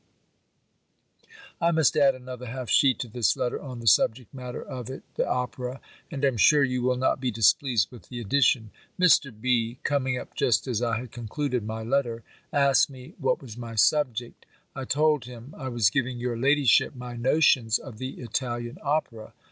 I must add another half sheet to this letter on the subject matter of it, the opera; and am sure you will not be displeased with the addition. Mr. B. coming up just as I had concluded my letter, asked me what was my subject? I told him I was giving your ladyship my notions of the Italian opera.